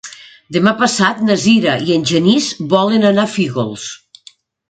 Demà passat na Sira i en Genís volen anar a Fígols.